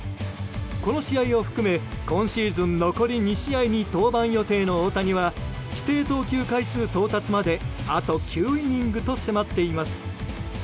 この試合を含め今シーズン残り２試合に登板予定の大谷は規定投球回数到達まであと９イニングと迫っています。